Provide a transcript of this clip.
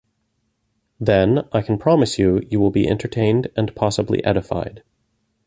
Then, I can promise you, you will be entertained and possibly edified.